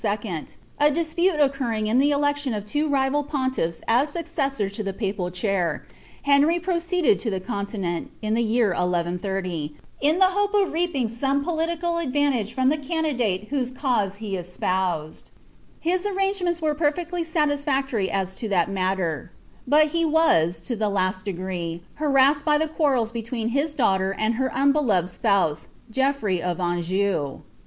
a dispute octah ring ill the election of two rival pontids as succeuore to the pap^ dnir, Henry proceeded to the continent, in the year 1130, in the hope of r«^ ing some poUlical advantage from the candidate whose cause he espoimi His errangemeots were perfectly salisfa^ory as to that matter, but tw ww lo the last degree, harassed b} the quairels between his doubter bimI hfc unbeloved «)ouse, Geoffrey oi Anjou.